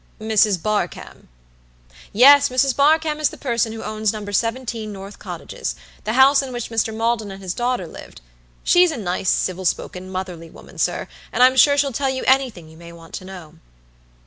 "Mrs. Barkamb." "Yes, Mrs. Barkamb is the person who owns No. 17 North Cottages, the house in which Mr. Maldon and his daughter lived. She's a nice, civil spoken, motherly woman, sir, and I'm sure she'll tell you anything you may want to know."